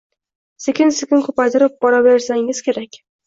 Sekin-sekin koʻpaytirib boraversangiz kerak